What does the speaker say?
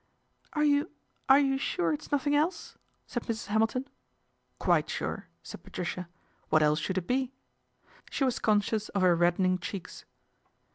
" Are you are you sure it's nothing else ?" said Mrs. Hamilton. " Quite sure," said Patricia. " What else should it be ?" She was conscious of her reddening cheeks.